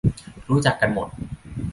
รู้จักกันหมด